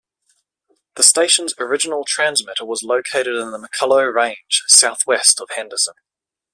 The station's original transmitter was located in the McCullough Range southwest of Henderson.